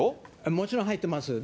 もちろん、入ってます。